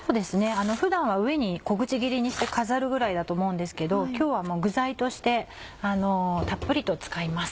普段は上に小口切りにして飾るぐらいだと思うんですけど今日はもう具材としてたっぷりと使います。